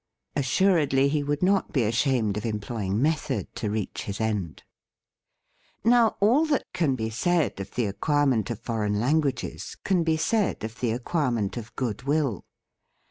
As suredly, he would not be ashamed of employing method to reach his end. Now all that can be said of the ac quirement of foreign languages can be said of the acquirement of goodwill.